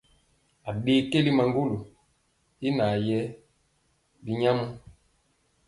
Aɗee keli maŋgolo i naa yɛ binyamɔ.